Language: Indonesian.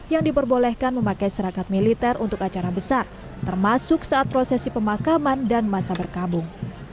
yang diperbolehkan memakai serakat militer untuk acara besar termasuk saat prosesi pemakaman dan masa berkabung